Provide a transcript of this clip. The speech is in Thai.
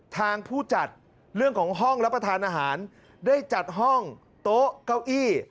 ทางผู้จัดเรื่องของห้องรับประทานอาหารได้จัดห้องโต๊ะเก้าอี้